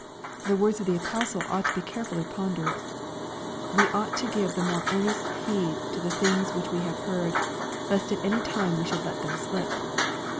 The words of the apostle ought to be carefully pondered :\" We ought to give the more earnest heed to the things ' which we have heard, lest at any time we should let them slip."